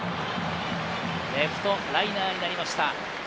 レフトライナーになりました。